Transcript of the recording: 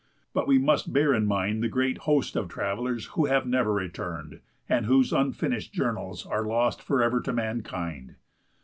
But we must bear in mind the great host of travellers who have never returned, and whose unfinished journals are lost forever to mankind.